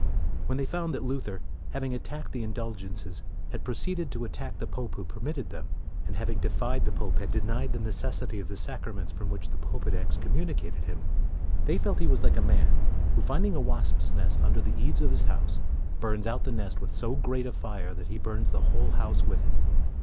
When they found that Luther, having attacked the indulgences, had pro ceeded to attack the pope who permitted them, and having defied the pope, had denied the necessity of the sacraments from which the pope had excommunicated him, they felt that he was like a man, who, finding a wasps' nest under the eaves of his house, burns out the nest with so great 32 MORE a fire that he burns the whole house with it.